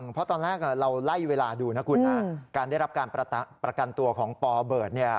เพราะตอนแรกเราไล่เวลาดูนะคุณนะการได้รับการประกันตัวของปเบิร์ตเนี่ย